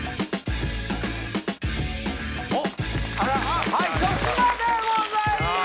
おっあらっはい粗品でございます